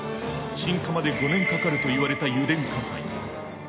鎮火まで５年かかるといわれた油田火災。